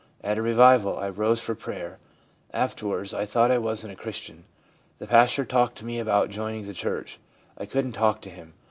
At a revival I rose for prayer. Afterwards I thought I wasn't a Christian. The pastor talked to me about joining the church — I couldn't talk to him.